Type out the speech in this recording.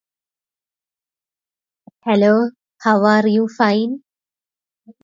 His conversion sparked the start of his career as an evangelist.